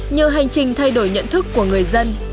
nhờ hành trình thay đổi nhận thức của người dân